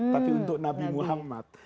tapi untuk nabi muhammad